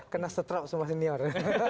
kena setrap semua senior